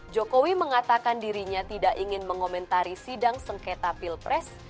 jokowi mengatakan dirinya tidak ingin mengomentari sidang sengketa pilpres